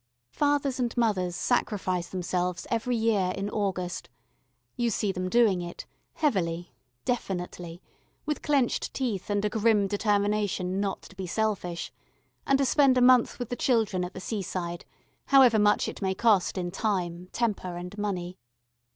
Fathers and mothers sacrifice themselves every year in August; you see them doing it, heavily, definitely, with clenched teeth and a grim determination not to be selfish, and to spend a month with the children at the seaside, however much it may cost in time, temper, and money.